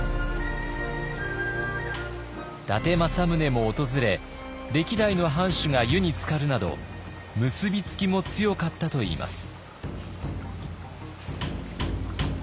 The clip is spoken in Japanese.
伊達政宗も訪れ歴代の藩主が湯につかるなど結び付きも強かったといいます。